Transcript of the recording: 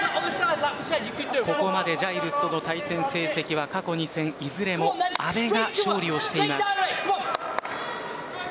ここまでジャイルスとの対戦成績は過去２戦いずれも阿部が勝利をしています。